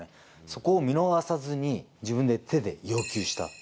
そこを見逃さずに、自分で手で要求した。